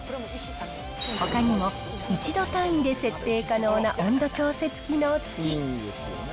ほかにも１度単位で設計可能な温度調節機能付き。